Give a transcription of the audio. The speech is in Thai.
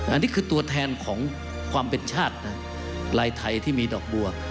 อันนี้คือตัวแทนของความเป็นชาตินะลายไทยที่มีดอกบัว